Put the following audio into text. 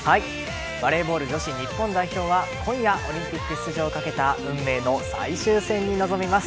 バレーボール女子日本代表は今夜オリンピック出場を懸けた運命の最終戦に臨みます。